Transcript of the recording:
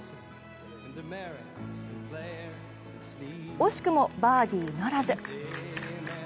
惜しくもバーディーならず。